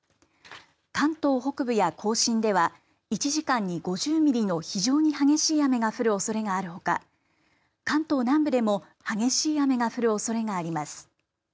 関東北部や甲信では１時間に５０ミリの非常に激しい雨が降るおそれがあるほか関東南部でも激しい雨が降るおそれがあります。